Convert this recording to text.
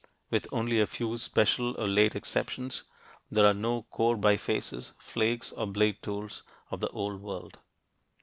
With only a very few special or late exceptions, there are no core bifaces, flakes, or blade tools of the Old World.